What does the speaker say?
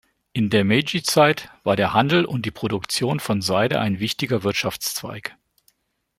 In der Meiji-Zeit war der Handel und die Produktion von Seide ein wichtiger Wirtschaftszweig.